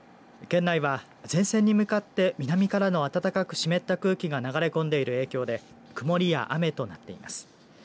県内は前線に向かって南から暖かく湿った空気が流れ込んでいる影響で曇りや雨となっています。